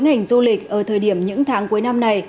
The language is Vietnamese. ngành du lịch ở thời điểm những tháng cuối năm này